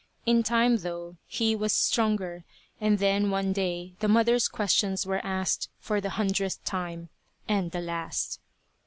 In time, though, he was stronger, and then, one day, the mother's questions were asked for the hundredth time; and the last.